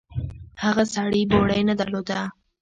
هغه سړي بوړۍ نه درلوده.